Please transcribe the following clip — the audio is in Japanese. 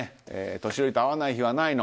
年寄りと会わない日はないの。